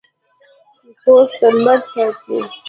پوست د لمر ساتي.